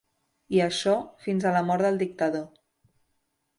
I això fins a la mort del dictador.